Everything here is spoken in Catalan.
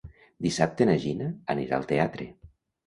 Dissabte na Gina anirà al teatre.